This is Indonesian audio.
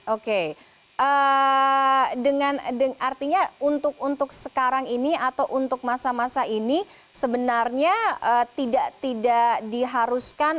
oke artinya untuk sekarang ini atau untuk masa masa ini sebenarnya tidak diharuskan